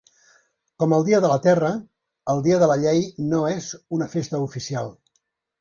Com el dia de la Terra, el Dia de la Llei no és una festa oficial.